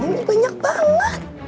udah dong banyak banget